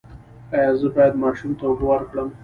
ایا زه باید ماشوم ته اوبه ورکړم؟